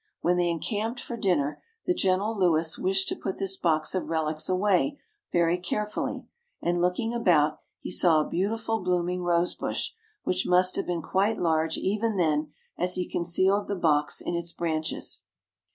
"When they encamped for dinner, the gentle Louis wished to put this box of relics away very carefully, and looking about, he saw a beautiful blooming rose bush, which must have been quite large even then, as he concealed the box in its branches.